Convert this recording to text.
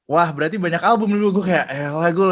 wah berarti banyak album dulu